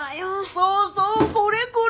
そうそうこれこれ！